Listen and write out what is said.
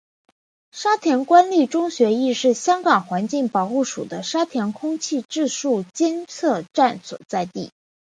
沙田官立中学亦是香港环境保护署的沙田空气质素监测站所在地。